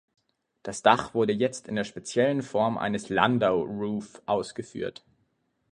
Das Dach wurde jetzt in der speziellen Form eines Landau-Roof ausgeführt.